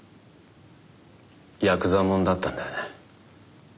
ヤクザ者だったんだよね。